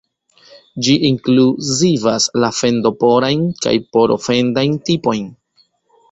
Ĝi inkluzivas la fendo-porajn kaj poro-fendajn tipojn.